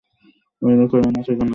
ঐ এলাকার আনাচে কানাচে তল্লাসি করো।